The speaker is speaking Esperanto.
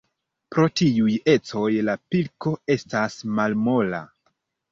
Pro tiuj ecoj la pilko estas malmola.